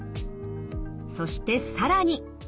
そして更に。